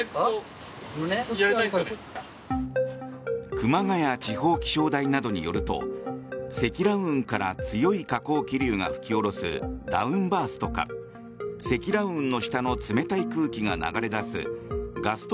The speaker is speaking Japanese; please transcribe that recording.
熊谷地方気象台などによると積乱雲から強い下降気流が吹き下ろすダウンバーストか積乱雲の下の冷たい空気が流れ出すガスト